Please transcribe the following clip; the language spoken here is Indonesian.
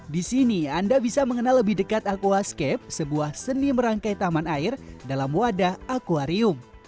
di sini anda bisa mengenal lebih dekat aquascape sebuah seni merangkai taman air dalam wadah akwarium